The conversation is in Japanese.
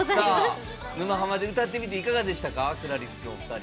「沼ハマ」で歌ってみていかがでしたか？